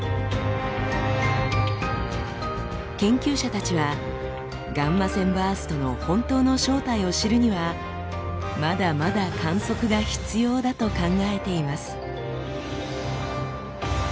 研究者たちはガンマ線バーストの本当の正体を知るにはまだまだ観測が必要だと考えています。